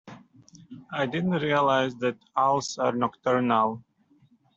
I didn't realise that owls are nocturnal.